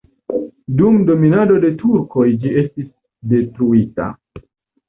Dum dominado de turkoj ĝi estis detruita.